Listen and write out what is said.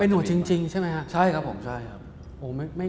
เป็นหน่วดจริงใช่ไหมฮะ